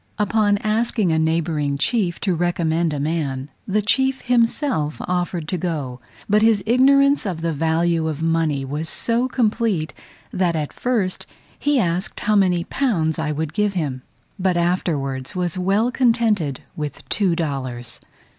Upon asking a neighbouring chief to recommend a man, the chief himself offered to go; but his ignorance of the value of money was so complete, that at first he asked how many pounds I would give him, but afterwards was well contented with two dollars.